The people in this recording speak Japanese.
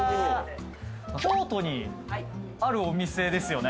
京都にあるお店ですよね？